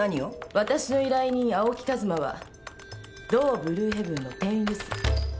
わたしの依頼人青木和馬は同「ブルーヘブン」の店員です。